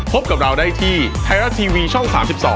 พบกับเราได้ที่ไทยรัฐทีวีช่อง๓๒